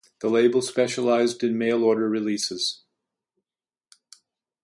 The label specialized in mail order releases.